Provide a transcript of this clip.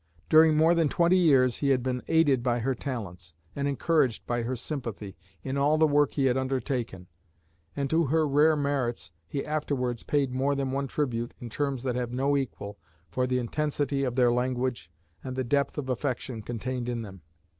During more than twenty years he had been aided by her talents, and encouraged by her sympathy, in all the work he had undertaken, and to her rare merits he afterwards paid more than one tribute in terms that have no equal for the intensity of their language, and the depth of affection contained in them.